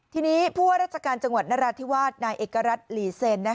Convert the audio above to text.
ทีนี้ผู้ว่าราชการจังหวัดนราธิวาสนายเอกรัฐหลีเซ็น